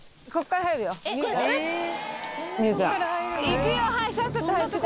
行くよ！